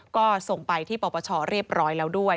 ก็ส่งไปที่ปปชเรียบร้อยแล้วด้วย